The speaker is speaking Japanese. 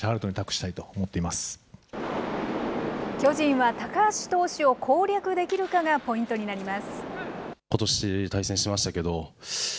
巨人は高橋投手を攻略できるかがポイントになります。